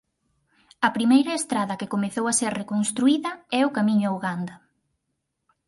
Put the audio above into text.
A primeira estrada que comezou a ser reconstruída é o camiño a Uganda.